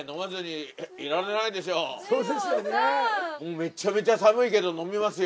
めっちゃめちゃ寒いけど飲みますよ。